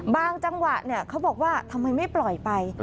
บ้างจังหวะเนี่ยเขาบอกว่าทำไมไม่ปล่อยไป